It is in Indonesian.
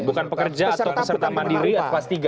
bukan pekerja atau peserta mandiri atau kelas tiga